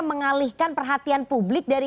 mengalihkan perhatian publik dari